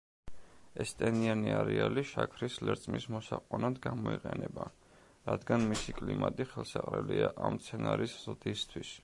ეს ტენიანი არეალი შაქრის ლერწმის მოსაყვანად გამოიყენება, რადგან მისი კლიმატი ხელსაყრელია ამ მცენარის ზრდისთვის.